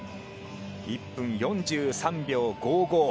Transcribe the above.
１分４３秒５５。